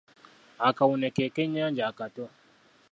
Akawune ke kennyanja akato.